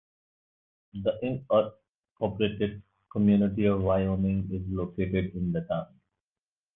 The unincorporated community of Wyoming is located in the town.